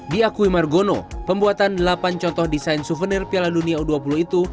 diakui margono pembuatan delapan contoh desain souvenir piala dunia u dua puluh itu